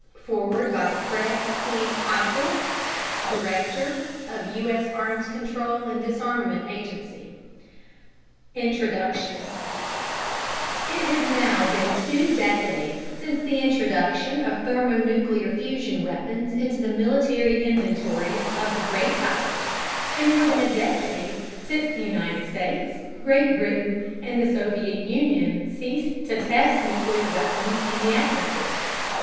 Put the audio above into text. Fred C. Ikle Director U.S. Arms Control and Disarmament Agency INTRODUCTION It has now been two decades since the introduction of thermonuclear fusion weapons into the military inventories of the great powers, and more than a decade since the United States, Great Britain, and the Soviet Union ceased to test nuclear weapons in the atmosphere.